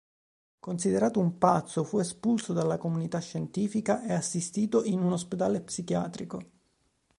Considerato un pazzo, fu espulso dalla comunità scientifica e assistito in un ospedale psichiatrico.